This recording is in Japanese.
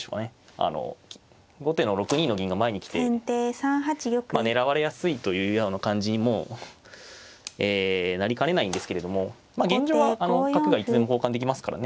あの後手の６二の銀が前に来て狙われやすいというような感じにもなりかねないんですけれどもまあ現状はあの角がいつでも交換できますからね